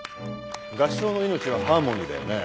合唱の命はハーモニーだよね。